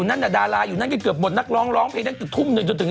เธอฉันว่าตอนที่เขาโยนหลงหนังตรงไผลขนาดกัน